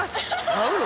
買うの？